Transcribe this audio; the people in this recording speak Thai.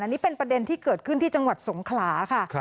นี่เป็นประเด็นที่เกิดขึ้นที่จังหวัดสงขลาค่ะ